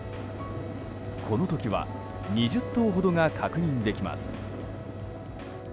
この時は２０頭ほどが確認できます。